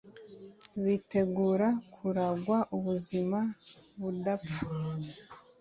bitegura kuragwa ubuzima budapfa